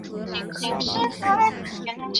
晶粒是指微小的或微米尺度的晶体。